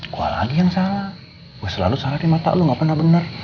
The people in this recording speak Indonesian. gue lagi yang salah gue selalu salah di mata lo gak pernah bener